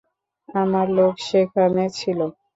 আমার লোক সেখানে ছিল।